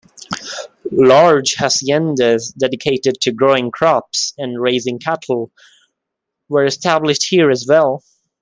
Large haciendas dedicated to growing crops and raising cattle were established here as well.